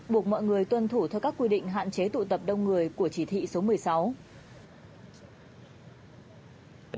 buộc mọi người tuân thủ theo các quy định hạn chế tụ tập đông người của chỉ thị số một mươi sáu